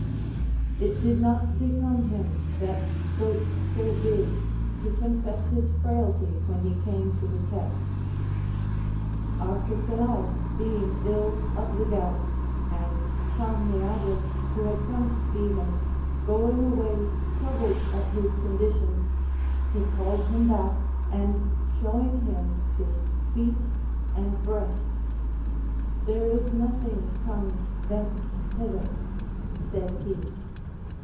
_ "It did not become him, that spoke so big, to confess his frailty when he came to the test." Arcesilas being ill of the gout, and Car neades, who had come to see him, going away troubled at his condition, he called him back, and showing him his feet and breast: "There is nothing comes thence hither," said he.